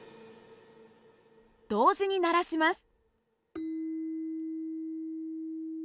同時に鳴らします。